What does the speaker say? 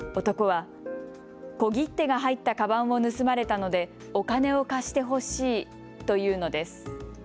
男は小切手が入ったかばんを盗まれたのでお金を貸してほしいと言うのです。